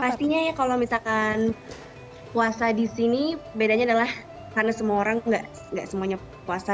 pastinya ya kalau misalkan puasa di sini bedanya adalah karena semua orang nggak semuanya puasa